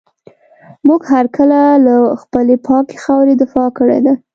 موږ هر کله له خپلي پاکي خاوري دفاع کړې ده.